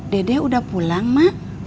dede udah pulang mak